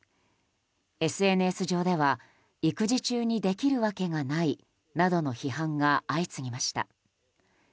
ＳＮＳ上では育児中にできるわけがないなどの批判が相次ぎました。